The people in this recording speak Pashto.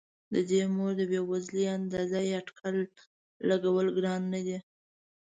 د دې مور د بې وزلۍ اندازه یا اټکل لګول ګران نه دي.